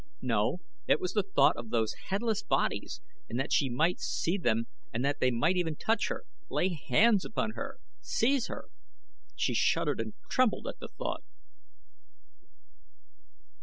No, it was the thought of those headless bodies and that she might see them and that they might even touch her lay hands upon her seize her. She shuddered and trembled at the thought.